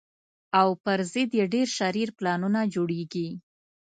او پر ضد یې ډېر شرير پلانونه جوړېږي